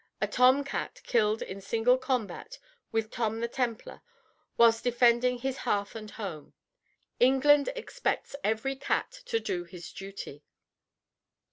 A Tom Cat killed in single combat with Tom the Templar whilst defending his hearth and home. England expects every cat to do his duty.